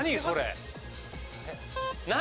何？